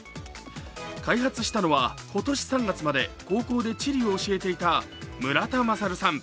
開発したのは、今年３月まで高校で地理を教えていた村田良さん。